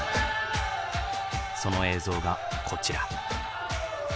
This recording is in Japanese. その映像がこちら。